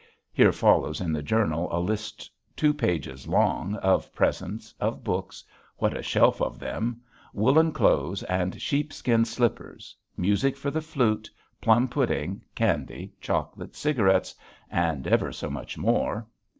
(Here follows in the journal a list two pages long of presents, of books what a shelf of them! woolen clothes and sheepskin slippers, music for the flute, plum pudding, candy, chocolate, cigarettes, and ever so much more.)